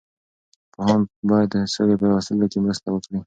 پوهان باید د سولې په راوستلو کې مرسته وکړي.